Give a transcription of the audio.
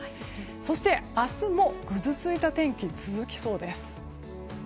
そして明日もぐずついた天気続きそうです。